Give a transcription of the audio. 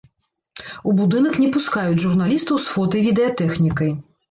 У будынак не пускаюць журналістаў з фота і відэатэхнікай.